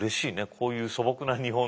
こういう素朴な日本の。